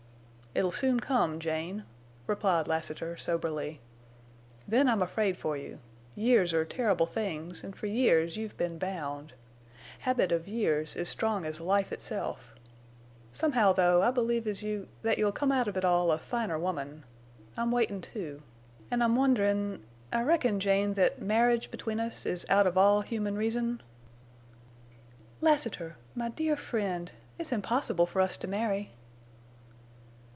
"It'll soon come, Jane," replied Lassiter, soberly. "Then I'm afraid for you. Years are terrible things, an' for years you've been bound. Habit of years is strong as life itself. Somehow, though, I believe as you—that you'll come out of it all a finer woman. I'm waitin', too. An' I'm wonderin'—I reckon, Jane, that marriage between us is out of all human reason?" "Lassiter!... My dear friend!... It's impossible for us to marry!"